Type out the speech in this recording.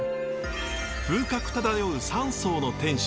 風格漂う３層の天守。